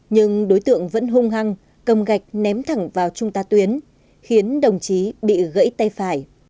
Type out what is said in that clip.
nhưng đối tượng vẫn hung hăng cầm gạch ném thẳng vào trung tá tuyến khiến đồng chí bị gãy tay phải